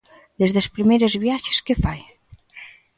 Desde as primeiras viaxes que fai.